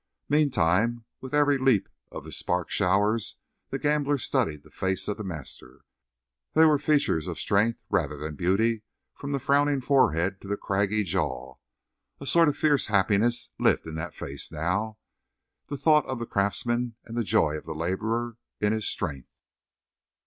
Meantime, with every leap of the spark showers the gambler studied the face of the master. They were features of strength rather than beauty from the frowning forehead to the craggy jaw. A sort of fierce happiness lived in that face now, the thought of the craftsman and the joy of the laborer in his strength.